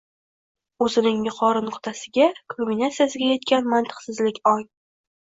O‘zining yuqori nuqtasiga – kulminatsiyasiga yetgan mantiqsizlik ong